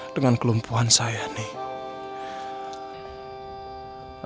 dengan kelumpuhan saya nih